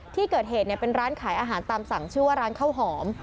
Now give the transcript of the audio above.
ที่เกิดเหตุเป็นร้านขายอาหารตามสั่งชื่อว่าร้านข้าวหอม